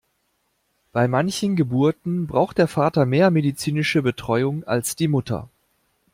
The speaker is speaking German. Bei manchen Geburten braucht der Vater mehr medizinische Betreuung als die Mutter.